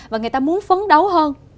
và người ta muốn phấn đấu hơn